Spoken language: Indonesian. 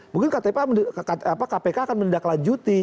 mungkin kpk akan mendaklanjuti